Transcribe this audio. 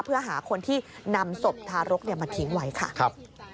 เพื่อหาคนที่นำศพทารกมาทิ้งไว้ค่ะ